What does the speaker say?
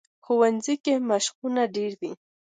ښوونځی کې مشقونه ډېر وي